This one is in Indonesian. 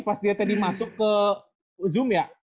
pas dia tadi masuk ke zoom ya